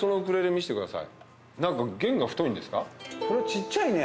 ちっちゃいね。